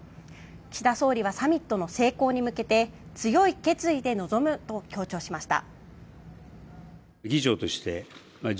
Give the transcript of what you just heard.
岸田総理はサミットの成功に向けて強い決意で臨むと強調しました。